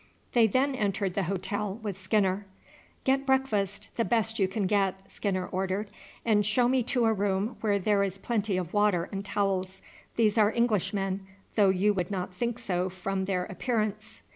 They then entered the hotel with Skinner. "Get breakfast, the best you can get," Skinner ordered; "and show me to a room where there is plenty of water and towels. These are Englishmen, though you would not think so from their appearance."